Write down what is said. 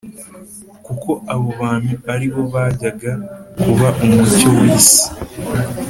kuko abo bantu ari bo bajyaga kuba umucyo w’isi